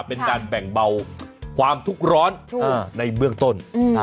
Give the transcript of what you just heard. เป็นการแบ่งเบาความทุกข์ร้อนในเบื้องต้น